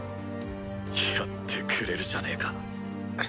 やってくれるじゃねえか。